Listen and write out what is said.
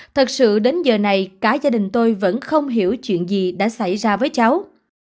thật sự đến giờ này cả gia đình tôi vẫn không hiểu chuyện gì đã xảy ra với cháu